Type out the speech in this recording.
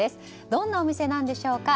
どんなお店なんでしょうか。